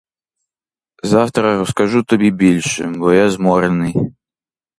Завтра розкажу тобі більше, бо я зморений.